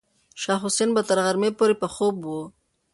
شاه حسین به تر غرمې پورې په خوب و.